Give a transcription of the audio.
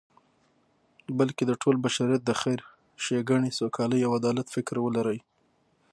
بلکی د ټول بشریت د خیر، ښیګڼی، سوکالی او عدالت فکر ولری